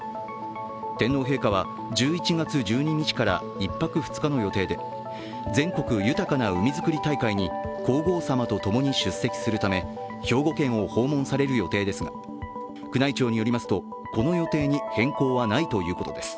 天皇陛下は１１月１２日から１泊２日の予定で全国豊かな海づくり大会に皇后さまと共に出席するため兵庫県を訪問される予定ですが、宮内庁によりますとこの予定に変更はないということです。